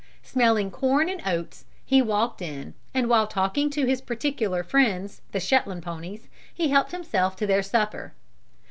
Smelling corn and oats, he walked in, and while talking to his particular friends, the Shetland ponies, he helped himself to their supper.